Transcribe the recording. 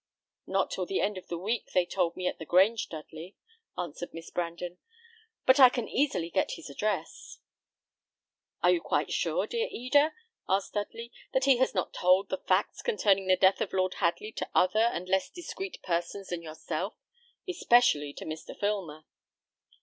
"Not till the end of the week they told me at the Grange, Dudley," answered Miss Brandon; "but I can easily get his address." "Are you quite sure, dear Eda," asked Dudley, "that he has not told the facts concerning the death of Lord Hadley to other and less discreet persons than yourself, especially to Mr. Filmer?"